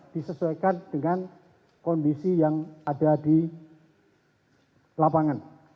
disesuaikan dengan kondisi yang ada di lapangan